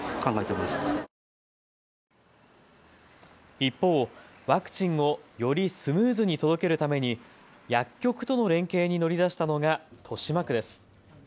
一方、ワクチンをよりスムーズに届けるために薬局との連携に乗り出したのが豊島区です。